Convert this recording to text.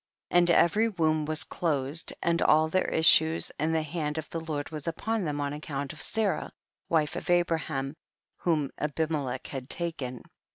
17. And every womb w^as closed, and all their issues, and the hand of the Lord was upon them on account of Sarah, wife of Abraham, whom Abimelech had taken.